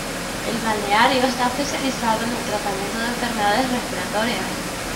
El balneario está especializado en el tratamiento de enfermedades respiratorias.